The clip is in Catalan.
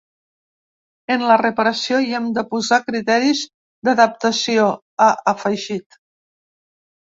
En la reparació hi hem de posar criteris d’adaptació, ha afegit.